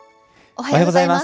おはようございます。